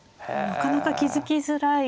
なかなか気付きづらい。